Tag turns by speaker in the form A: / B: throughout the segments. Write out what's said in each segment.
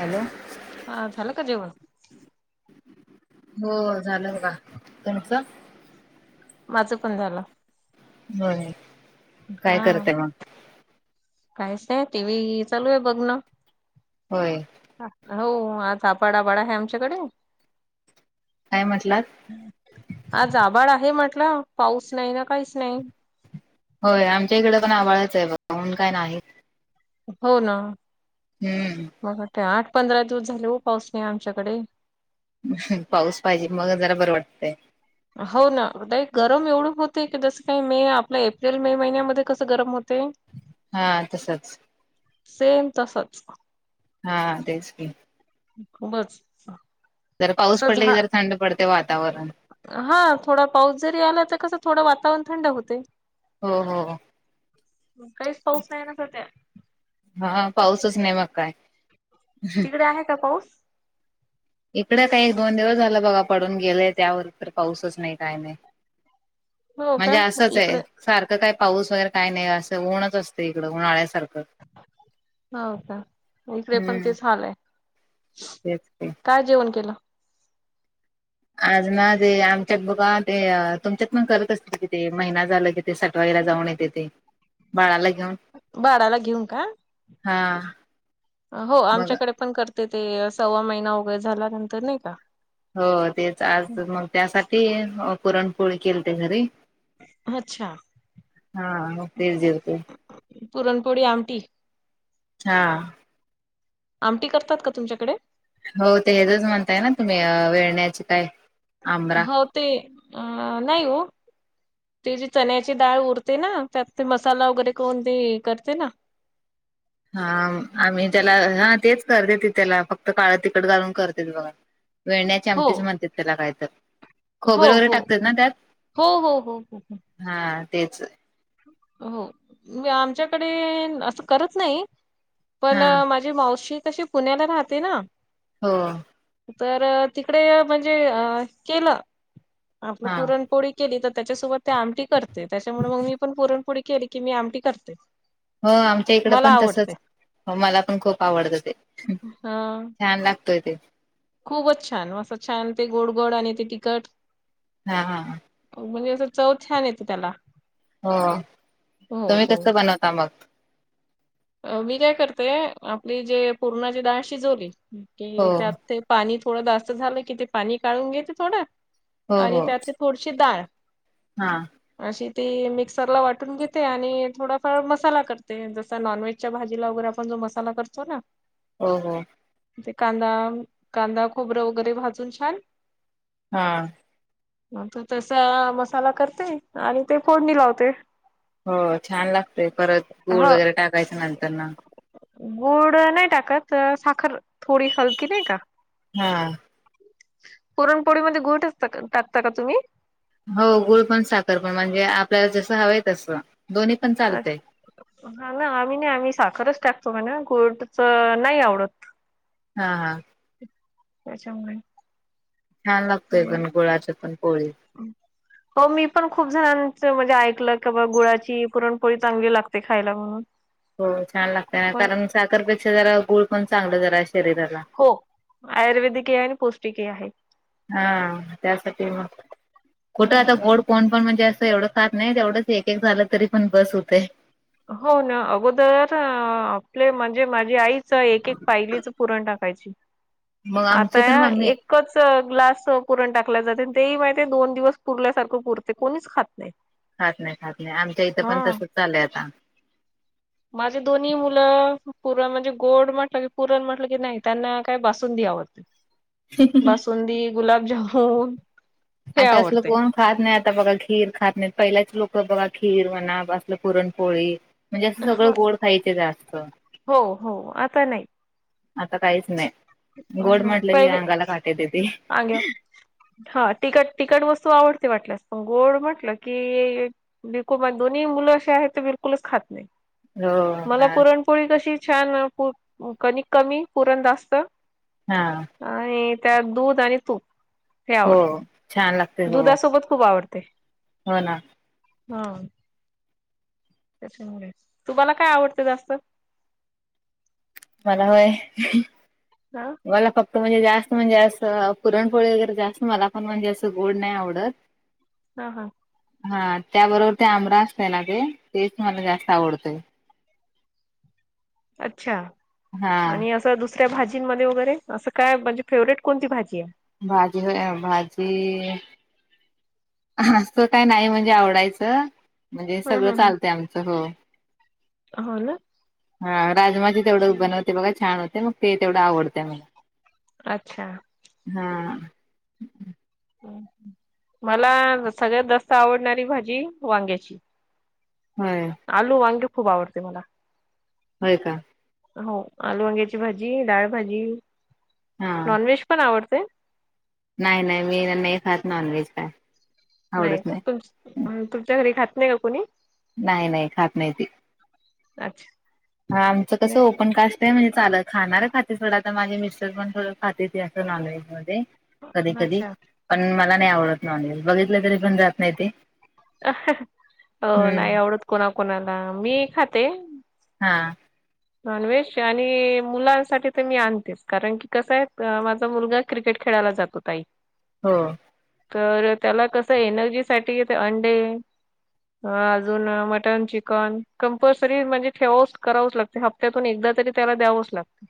A: Hello.
B: हा, झालं का जेवण?
A: हो, झालं बघा. तुमचं?
B: माझं पण झालं.
A: होय. काय
B: हा
A: करते मग?
B: काहीच नाही. टी व्ही चालूय, बघनं.
A: होय.
B: हा. हो. आ चा बडा बडा हाय आमच्याकडे.
A: काय म्हटलात?
B: आज आभाळ आहे म्हटलं. पाऊस नाही ना, काहीच नाही.
A: होय. आमच्या इकडे पण आभाळचय बघा. ऊन काय नाही.
B: हो, ना.
A: हम्म.
B: बघा की, आठ पंधरा दिवस झाले ओ. पाऊस नाही आमच्याकडे.
A: पाऊस पाहिजे. मगच जरा बरं वाटतंय.
B: हो ना. लय गरम एवढं होतय की, जसं काही मे आपल्या एप्रिल - मे महिन्यामध्ये कसं गरम होतय [inaudible]
A: हा, तसच.
B: सेम तसच.
A: हा, तेच की.
B: खूपच.
A: जरा पाऊस
B: असं
A: पडला
B: झा
A: की जरा थंड पडते वातावरण.
B: हा, थोडा पाऊस जरी आला तर कसं थोडं वातावरण थंड होतय.
A: हो-हो-हो.
B: काहीच पाऊस नाही ना सध्या.
A: हा, पाऊसच नाही मग काय.
B: तिकडे आहे का पाऊस.
A: इकड काही एक, दोन दिवस झालं बघा पडून गेलेय, त्यावर तर पाऊसच नाही. काय नाही.
B: हो
A: म्हणजे
B: का
A: असंच आहे.
B: इकडे
A: सारखं काय पाऊस वगैरे काय नाही. असं ऊनच असते, इकडं उन्हाळ्यासारखं.
B: हो का, इकडे पण
A: हम्म
B: तेच हाल आहे.
A: तेच की.
B: काय जेवण केलं?
A: आज ना जे, आमच्या बघा ते, तुमच्यात मग करत असतील कि ते, महिना झाला कि ते सट वाईला जाऊन येते ते, बाळाला घेऊन.
B: बाळा ला घेऊन का?
A: हा.
B: हो,
A: मग
B: आमच्याकडे पण करते ते, सव्वा महिना वगैरे झाल्यानंतर नाही का.
A: हो तेच, आज मग त्यासाठी पुरणपोळी केली ते घरी.
B: अच्छा.
A: हा, तेच जेवते
B: पुरणपोळी आमटी
A: हा.
B: आमटी करतात का तुमच्याकडे?
A: हो, ते हेचच म्हणताय ना तुम्ही, वेळण्याचे काय. आंबरा
B: हो ते, अ नाही हो. तेजे चण्याची डाळ उरते ना, त्यात ते मसाला वगैरे कोण ते करते ना.
A: हा, आम्ही त्याला, हा तेच करते त त्याला फक्त काळं तिखट घालून करतेत बघा. वेळण्याच्या आमटीच म्हणतात त्याला काय तर.
B: हो,
A: खोबरे वगैरे
B: हो,
A: टाकतात ना त्यात
B: हो, हो, हो, हो, हो.
A: हा तेच.
B: हो, म आमच्याकडे असं करत नाही. पण
A: हा
B: मा मावशी तशी पुण्याला राहते ना.
A: हो.
B: तर तिकडे म्हणजे अ केलं, आपलं
A: हा
B: पुरणपोळी. केली तर त्याच्यासोबत ते आमटी करते, त्याच्यामुळे मग मी पण पुरणपोरी केली की मी आमटी करते.
A: हो आमच्या इकड
B: मला
A: पण
B: आवडते
A: तसच, हो मला पण खूप आवडतं ते.
B: हा.
A: छान लागतोय ते.
B: खूपच छान, मस्त छान ते गोड-गोड आणि ते तिकट.
A: हा, हा, हा.
B: म्हणजे असं चव छान येतं त्याला.
A: हो
B: हो
A: तुम्ही
B: हो
A: कस बनवता मग.
B: मी काय करते, आपली ते पूर्णाची डाळ शिजवली
A: हो
B: की त्यात ते. पाणी थोडं जास्त झालं की, ते पाणी काढून घेते थोडं
A: हो
B: आणि
A: हो
B: त्यातली थोडीशी डाळ.
A: हा.
B: अशी ती मिक्सरला वाटून घेते, आणि थोडाफार मसाला करते. नॉन व्हेजच्या भाजीला वगैरे आपण जो मसाला करतो ना.
A: हो हो.
B: ते कांदा-कांदा खोबरं वगैरे भाजून छान
A: हा.
B: मग तो तस मसाला करते आणि ते फोडणी लावते.
A: हो छान लागतय परत गूळ वगैरे टाकायचं नंतर न.
B: गुळ नाय टाकत साखर थोडी हलकी नाय का.
A: हा.
B: पुरणपोळीमध्ये गुळ टचता टाकता का तुम्ही?
A: हो गुळ पण साखर पण म्हणजे आपल्याला जस हवं आय तस दोन्ही पण चालतय
B: हाना आम्ही नाय आम्ही साखरच टाकतो म्हणा गूडच नाही आवडत.
A: हा हा.
B: त्याच्यामुळे
A: छान लागतोय पण गुळाच पण पोळी.
B: [inaudible] हो मी पण खूप जणांच म्हणजे ऐकलं की बा गुळाची पुरणपोळी चांगली लागते खायला म्हणून.
A: हो छान लागते ना कारण साखरपेक्षा जरा गुळ पण चांगलं जरा शरीराला.
B: हो आयुर्वेदिक ही आहे आणि पौष्टिक ही आहे.
A: हा त्यासाठी म कुठं
B: हो
A: आता
B: का
A: गोड कोण पण म्हणजे असं एवढं खात नाय तेवढंच एक-एक झालं तरी पण बस होतय.
B: हो ना अगोदर आपले म्हणजे माझी आई एक-एक पायलीच पुरण टाकायची.
A: मग आमची
B: आता
A: पण
B: या
A: मम्मी
B: एक कच ग्लास पुरण टाकला जाते ते माहितिये दोन दिवस पुरल्या सारखं पुरते कोणीच खात नाय.
A: खात नाय खात नाय आमच्या इथं पण तसच चालय आता.
B: माझे दोन्ही मुलं पुरण म्हणजे गोड म्हटलं की पुरण म्हटलं की नाय त्यांना काय बासुंदी दवडते. बासुंदी, गुलाबजामुन हे
A: आता असल
B: आवडते.
A: कोण खात नाय आता बघा खीर खात नाय पहिल्याच लोक बघा खीर म्हणा असलं पुरणपोळी म्हणजे असं सगळं
B: हां,
A: गोड खायचे जास्त.
B: हो हो आता नाय.
A: आता काहीच नाय
B: अ,
A: गोड
B: हं.
A: म्हणले की
B: पहिले
A: अंगाला काटे येतीती.
B: हा तिकट तिकट वस्तू आवडते वाटल्यास पण गोड म्हटलं की बिको दोन्ही मुलं अशे आहेत ते बिलकुलच खात नाय.
A: हो
B: मला पुरणपोळी कशी छान पू कणिक कमी पुरण जास्त
A: हा.
B: आणि त्यात दूध आणि तूप. हे
A: हो
B: आवडते
A: छान ला
B: दुधासोबत खूप आवडते
A: ना
B: हा. त्यामुळे, तुम्हाला काय आवडत जास्त?
A: मला व्हय?
B: हा.
A: मला फक्त म्हणजे जास्त म्हणजे असं पुरणपोळी वगैरे जास्त मला पण म्हणजे असं गोड नाय आवडत.
B: हा हा.
A: हा त्याबरोबर ते आंमरा असतंय ना ते तेच मला जास्त आवडतय.
B: अच्छा
A: हा
B: आणि दुस काय भाजींमध्ये वगैरे असं काय म्हणजे फेवरेट कोणती भाजी आहे?
A: भाजी होय भाजी! अस काय नाही म्हणजे आवडायचं म्हणजे
B: ह
A: सगळं
B: ह
A: चालतंय आमचं हो.
B: हो ना.
A: हां राजमाचे तेवढं बनवते बघा ते तेवढं छान होते मग ते तेवढं आवडतं मला.
B: अच्छा.
A: हां.
B: मला सगळ्यात जास्त आवडणारी भाजी वांग्याची.
A: होय.
B: आलू वांगी खूप आवडते मला.
A: होय का!
B: हो आलु वांग्याची भाजी, डाळ भाजी.
A: हा
B: नॉनव्हेज पण आवडते?
A: नाही नाही मी नाही खात नॉन व्हेज काय.
B: नाही का तु तुमच्या घरी खात नाही का कोणी?
A: नाही नाही खात नाही ती.
B: अच्छा!
A: हां आमचं कसं
B: नाही.
A: ओपन कास्ट आहे, म्हणजे चालत खाणार खाते सोडा आता माझे मिस्टर पण थोडं खातेती असतं नॉन व्हेज मध्ये कधी कधी.
B: अच्छा
A: पण मला नाही आवडत नॉनव्हेज बघितलं तरी पण जात नाही ते.
B: हो, नाही
A: हम्म
B: आवडत कोणाकणाला मी खाते.
A: हां.
B: नॉनव्हेज आणि मुलांसाठी तर मी आणतेच कारण की कसं आहे माझा मुलगा क्रिकेट खेळाला जातो ताई.
A: हो.
B: तर त्याला कसं एनर्जी साठी ते अंडे अजून मटन, चिकन कंपल्सरी म्हणजे ठेवाच करावंच लागतं. ते हप्त्यातून एकदा तरी त्याला द्यावंच लागतं.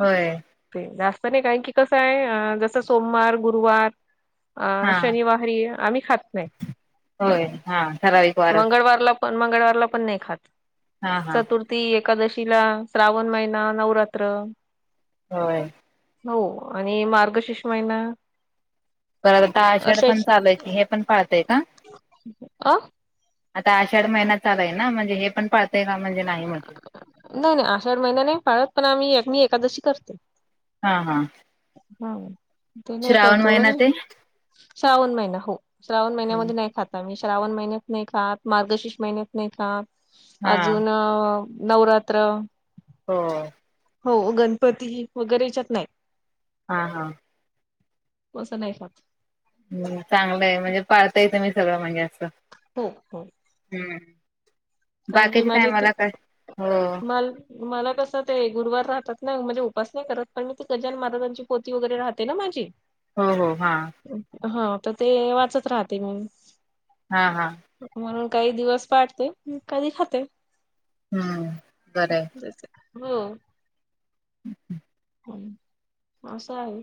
A: होय.
B: ते जास्त नाही कारण की कसं आहे जस सोमवार, गुरुवार अ
A: हा
B: शनिवारी आम्ही खात नाही,
A: होय हा ठराविक वारच
B: मंगळवारला पण मंगळवारला पण नाही खात
A: हा हा
B: चतुर्थी एक एकादशीला श्रावण महिना नवरात्र
A: होय.
B: हो आणि मार्गशिष माहिना
A: परत आता आषाढ पण चालू आहे की हे पण पाळताय का?
B: अ
A: आता आषाढ महिना चालु आहे ना म्हणजे हे पण पाळताय का म्हणजे नाही म्हटलं?
B: नाही नाही आषाढ महिना नाही पाळत पण आम्ही मी एकादशी करते.
A: हां हां.
B: हां ते नाही करत तेवढं
A: महिना
B: नाही.
A: ते
B: श्रावण महिना हो श्रावण महिन्यामध्ये नाही खात. आम्ही श्रावण महिन्यात नाही खात मार्गशीर्ष महिन्यात नाही खात
A: हा
B: अजून अ नवरात्र.
A: हो.
B: हो गणपती वगैरे याच्यात नाही.
A: हां हां.
B: अस नाही होत
A: हम् चांगलंय म्हणजे पाळताय तुमी सगळं म्हणजे असं
B: हो हो
A: हम्म
B: कारण की
A: बाकीचे काय
B: माझे
A: मला
B: ते
A: तर हो
B: मल मला तसं ते गुरवार राहतात ना म्हणजे उपास नाही करत पण मी ती गजान महाराजांची पो पोथी वगैरे राहते ना माझी
A: हो हा
B: हा तर ते वाचत राहते मग मी
A: हा हा
B: म्हणून काही दिवस पाळते कधी खाते.
A: हम्म बरंय
B: जायच का हो
A: [unintelligible]
B: पन असं आहे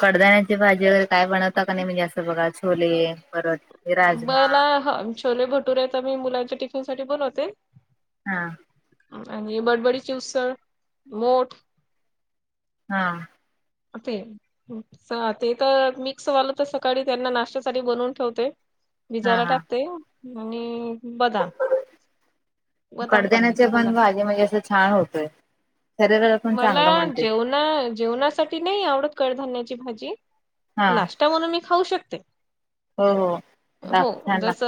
A: कडधाण्याची भाजी वगैरे काय बनवता का नाही म्हणजे असं बघा छोले परत हे राजमा
B: मला ह छोले भटूरे मी मुलांच्या टिफिन साठी बोलवते.
A: हा
B: आणि बडबडीची उसळ मोड
A: हा
B: होते च ते तर मिक्स वालं तर सकाळी त्यांना नाश्त्यासाठी बनवून ठेवते.
A: हा
B: भिजायला
A: हा
B: टाकते आणि बदाम बदाम
A: कडद्याण्याचे
B: देते
A: पण
B: मुलांना
A: भाजी म्हणजे असं छान होतोय. शरीराला पण
B: मला
A: चांगलं म्हणते
B: जेवणा जेवणासाठी नाही आवडत कडधान्याची भाजी
A: हा
B: नाष्टा नाष्टा म्हणून खाऊ शकते.
A: हो हो लाग
B: हो
A: छान
B: जस
A: लाग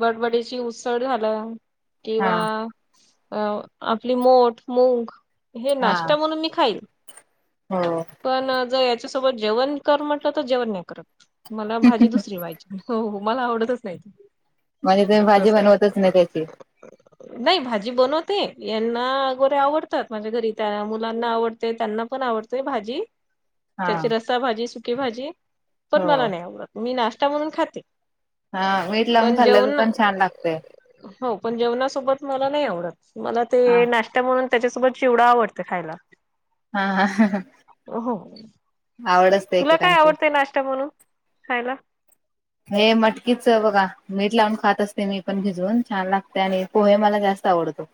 B: बडबडयाची उसळ उसळ झाला
A: हा
B: किंवा आपली मठ मूंग हे
A: हा
B: नाश्ता म्हणून मी खाईल.
A: हो
B: पण जर याच्यासोबत जेवण कर म्हटलं तर जेवण नाही करत. मला भाजी दुसरी पाहीजे हो हो मला आवडतच नाही ते
A: म्हणजे तुम्ही भाजी
B: तसं
A: बनवतच नाही त्याची
B: नाही भाजी बनवते यांना गोरे आवडतात. माझ्या घरी त्या मुलांना आवडते त्यांना पण आवडतेय भाजी
A: हा
B: त्याची रसाभजी सुके भाजी पण
A: हो
B: मला नाही आवडत मी नाश्ता म्हणून खाते.
A: हा मीठ लावून
B: पण
A: खाल्लं तर
B: जेवण
A: पण छान लागतय.
B: हो पण जेवणासोबत मला नाही आवडत मला
A: हा
B: ते नाश्ता म्हणून त्याच्यासोबत चिवडा आवडते खायला.
A: हा हा
B: हो
A: आवड असते
B: तुला काय
A: एकेकांची
B: आवडतंय नाश्ता म्हणून खायला.
A: हे मटकीच बघा मीठ लावून खात असते मी पण भिजवून छान लागते आणि पोहे मला जास्त आवडतो.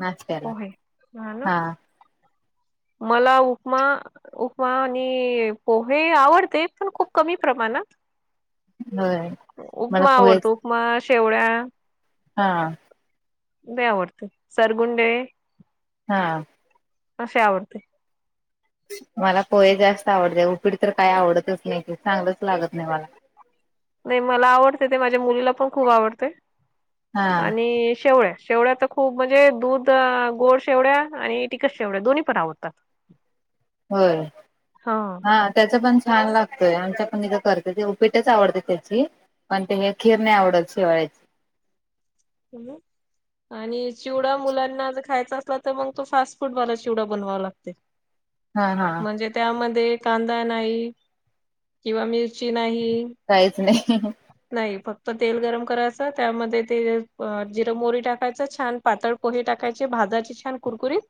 A: नाश्त्याला
B: पोहे हा ना मला उपमा उपमा आणि पोहे आवडते पण खूप कमी प्रमाणात
A: होय मला
B: उपमा आवडतो
A: पोहेच
B: उपमा, शेवळ्या
A: हा.
B: लय आवडत सरगुंडे
A: थांब
B: असे आवडते.
A: मला पोहे जास्त आवडतय उपीड तर काय आवडतच नाही. चांगलंच लागत नाही मला
B: नाही मला आवडतय ते माझ्या मुलीला पण खूप आवडय
A: हा
B: आणि शेवळ्या. शेवळ्या तर खूप म्हणजे दूध गोड शेवळ्या आणि तिकट शेवळ्या दोन्ही परावतात.
A: होय. हा त्याच पण छान लागतंय आमच पण इथं करत्यात ते उपीटच आवडतय त्याची पण ते काय खीर नाही आवडत शेवळ्याची
B: हॅलो आणि चिवडा मुलांना जर खायचा असला तर मग तो फास्ट फूड वाला चिवडा बनवा लागतय
A: हा हा
B: [inaudible] म्हणजे त्या मध्ये कांदा नाही किंवा मिर्ची नाही.
A: काहीच नाही.
B: नाही फक्त तेल गरम करायचं त्या मध्ये ते जिरं मोरी टाकायचं छान पातळ पोहे टाकायचे भाजायचे छान कुरकुरीत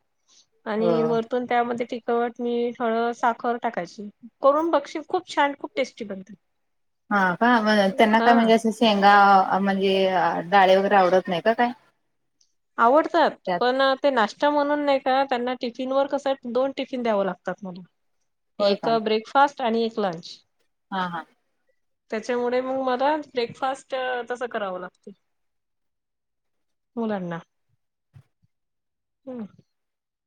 A: हो
B: आणि वरतून त्या मध्ये तिखट, मीठ, हळद, साखर टाकायची. करून बक्षील खूप छान खूप टेस्टी बनतय
A: हा का म त्यांना काय म्हणजे असं शेंगा म्हणजे डाळी वगैरे आवडत नाही का काय
B: आवडत्यात
A: त्यात
B: पण ते नाश्ता म्हणून नाही का त्यांना टिफिन वर कस हाय दोन टिफिन द्यावं लागतात मला
A: होय
B: एक
A: का
B: ब्रेकफास्ट आणि एक लंच
A: हा हा.
B: त्याच्यामुळे मग मला ब्रेकफास्ट तसं करावं लागते. मूलांना हम